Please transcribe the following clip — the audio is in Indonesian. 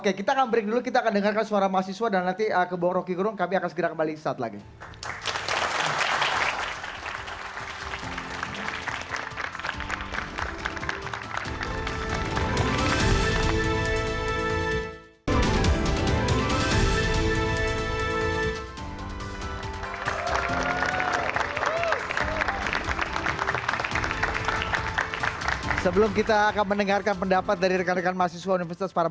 oke kita akan break dulu kita akan dengarkan suara mahasiswa